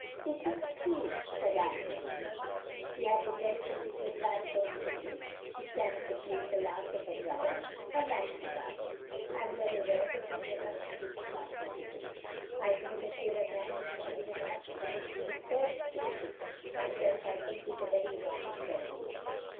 " "It is true," said Anne Marie. "He had the delicacy to apply first to me, who stand in the place, alas, of her brother, her natural guardian. I am very well aware that in your country this is not necessary; I know that here a man need not even ask the permission of his parents to marry. Myself, I think this a very wrong and terrible thing."